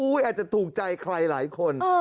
อาจจะถูกใจใครหลายคน